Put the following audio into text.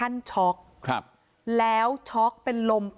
อาบน้ำเป็นจิตเที่ยว